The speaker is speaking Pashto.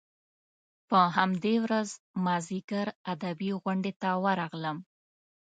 په همدې ورځ مازیګر ادبي غونډې ته ورغلم.